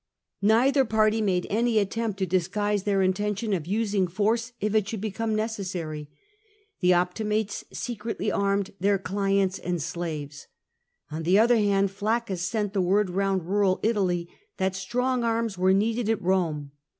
Neither party made any attempt to disguise their intention of using force if it should become necessary. The Optimates secretly armed their clients and slaves. On the other hand, Flaccus sent the word round rural Italy that strong arms were needed at Rome.